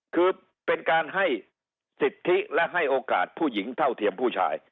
คือเป็นการให้สิทธิและให้โอกาสผู้หญิงเท่าเทียมผู้ชาย